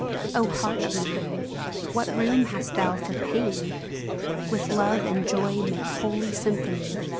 O heart of mine, what room hast thou for pain ? With love and joy make holy symphony.